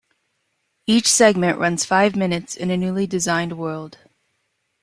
Each segment runs five minutes in a newly designed world.